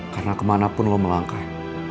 karena kemana pun lo melangkah